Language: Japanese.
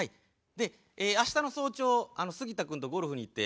であしたの早朝すぎた君とゴルフに行って。